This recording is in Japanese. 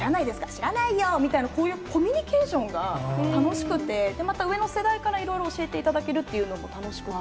知らないよみたいな、こういうコミュニケーションが楽しくて、上の世代からいろいろ教えていただけるっていうのも楽しくて。